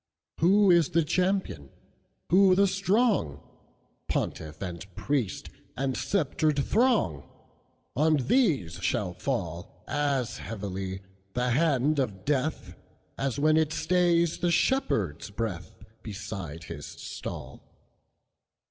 Who is the champion? who the strong? Pontiff and priest, and sceptred throng? On these shall fallAs heavily the hand of Death, As when it stays the shepherd's breathBeside his stall.